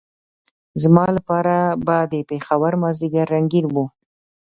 زما لپاره به د پېښور مازدیګر رنګین وو.